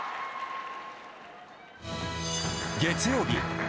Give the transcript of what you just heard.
月曜日